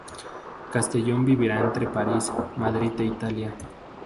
Castellón vivirá entre París, Madrid e Italia.